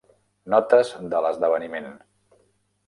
Notes de l'esdeveniment.